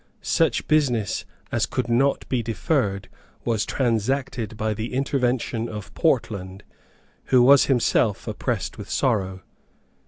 Such business as could not be deferred was transacted by the intervention of Portland, who was himself oppressed with sorrow.